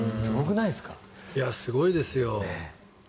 すごいですよ。